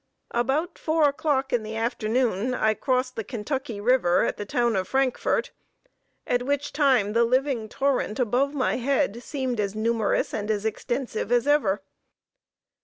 About four o'clock in the afternoon I crossed the Kentucky River at the town of Frankfort, at which time the living torrent above my head seemed as numerous and as extensive as ever.